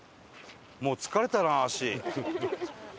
もう疲れたな脚。